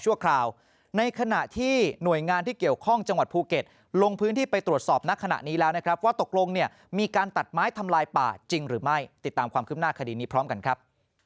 จริงหรือไม่ติดตามความคืบหน้าคดีนี้พร้อมกันครับ